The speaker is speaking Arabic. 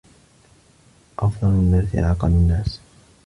أَفْضَلُ النَّاسِ أَعْقَلُ النَّاسِ